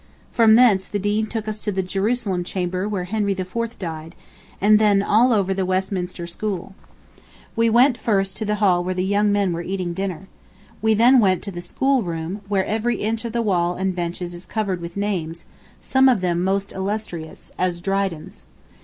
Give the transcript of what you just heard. ... From thence the Dean took us to the Jerusalem chamber where Henry IV died, then all over the Westminster school. We first went to the hall where the young men were eating their dinner. ... We then went to the school room, where every inch of the wall and benches is covered with names, some of them most illustrious, as Dryden's.